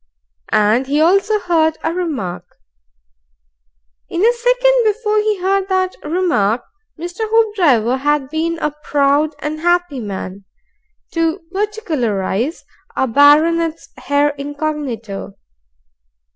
And he also heard a remark. In the second before he heard that remark, Mr. Hoopdriver had been a proud and happy man, to particularize, a baronet's heir incognito.